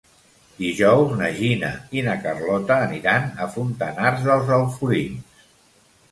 Dijous na Gina i na Carlota aniran a Fontanars dels Alforins.